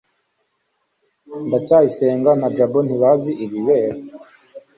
ndacyayisenga na jabo ntibazi ibibera